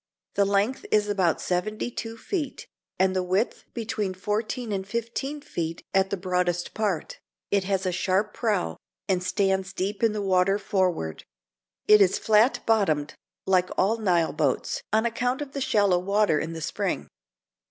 The length is about seventy two feet, and the width between fourteen and fifteen feet at the broadest part; it has a sharp prow, and stands deep in the water forward; it is flat bottomed, like all Nile boats, on account of the shallow water in the spring.